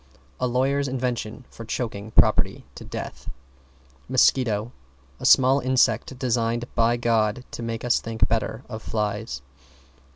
A lawyer's invention for choking property to death. =MOSQUITO= A small insect designed by God to make us think better of flies.